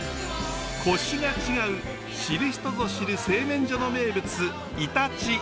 コシが違う知る人ぞ知る製麺所の名物いたち。